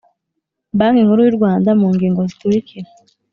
Banki Nkuru y u Rwanda mu ngingo zikurikira